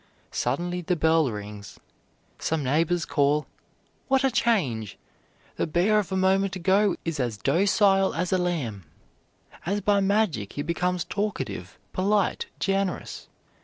Suddenly the bell rings. Some neighbors call: what a change! The bear of a moment ago is as docile as a lamb. As by magic he becomes talkative, polite, generous.